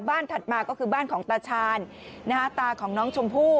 ถัดมาก็คือบ้านของตาชาญตาของน้องชมพู่